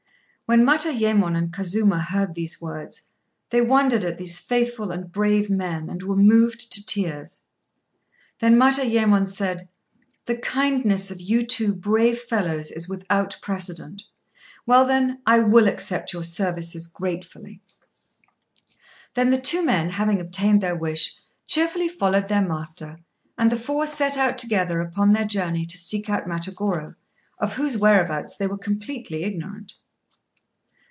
When Matayémon and Kazuma heard these words, they wondered at these faithful and brave men, and were moved to tears. Then Matayémon said "The kindness of you two brave fellows is without precedent. Well, then, I will accept your services gratefully." Then the two men, having obtained their wish, cheerfully followed their master; and the four set out together upon their journey to seek out Matagorô, of whose whereabouts they were completely ignorant.